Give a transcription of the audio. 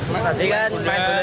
makasih kan main bola